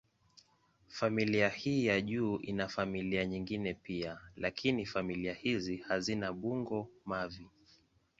Familia hii ya juu ina familia nyingine pia, lakini familia hizi hazina bungo-mavi.